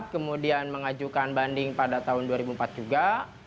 kemudian mengajukan banding pada tahun dua ribu empat juga